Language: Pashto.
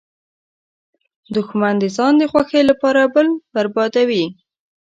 دښمن د ځان د خوښۍ لپاره بل بربادوي